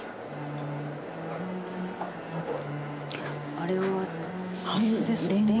あれはハスですよね？